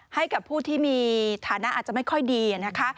ให้กับผู้ที่มีฐานะอาจจะไม่ค่อยดีนะคะ